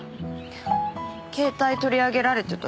携帯取り上げられてたし。